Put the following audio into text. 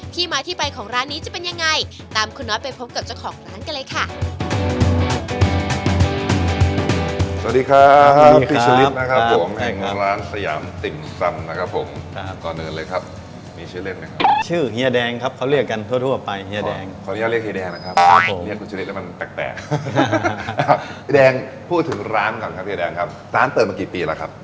พี่แดงพูดถึงร้านก่อนครับร้านเปิดมากี่ปีแล้วครับ